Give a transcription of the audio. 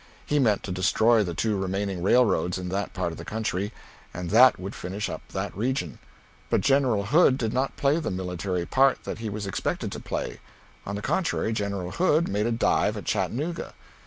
He meant to destroy the two remaining railroads in that part of the country, and that would finish up that region. But General Hood did not play the military part that he was expected to play. On the contrary, General Hood made a dive at Chattanooga.